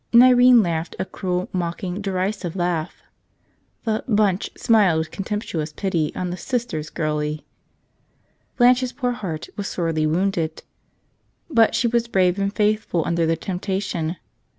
And Irene laughed a cruel, mocking, derisive laugh. The "bunch" smiled with contemptuous pity on the "Sister's girlie." Blanche's poor heart was sorely wounded. But she was brave and faithful under the temptation.